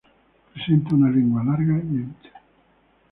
Presenta una lengua larga, y ancha.